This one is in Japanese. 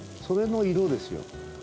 それの色ですよ。